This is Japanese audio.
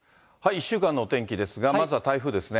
１週間のお天気ですが、まずは台風ですね。